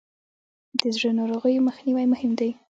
د زړه ناروغیو مخنیوی مهم دی.